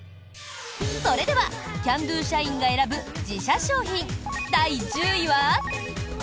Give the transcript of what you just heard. それではＣａｎ★Ｄｏ社員が選ぶ自社商品第１０位は。